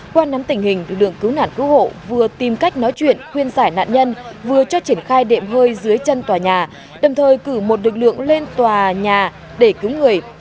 qua nắm tình hình lực lượng cứu nạn cứu hộ vừa tìm cách nói chuyện khuyên giải nạn nhân vừa cho triển khai đệm hơi dưới chân tòa nhà đồng thời cử một lực lượng lên tòa nhà để cứu người